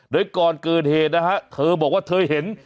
โดยก่อนเกิดเหตุนะฮะเธอบอกว่าเธอเห็น